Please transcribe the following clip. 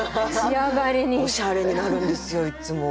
おしゃれになるんですよいっつも。